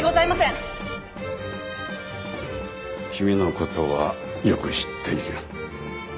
君の事はよく知っている。